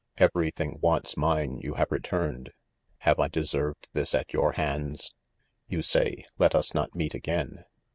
— Everything once mine you have returned;' have I deserved this at your hands X You say '" let us hot meet again."